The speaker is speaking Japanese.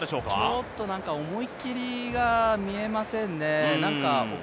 ちょっと思い切りが見えませんね。